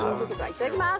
いただきます。